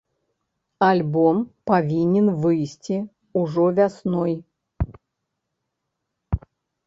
Альбом павінен выйсці ўжо вясной.